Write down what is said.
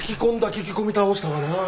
聞き込み倒したわなぁ。